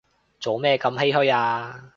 做咩咁唏噓啊